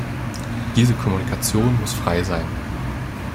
Diese Kommunikation muss frei sein.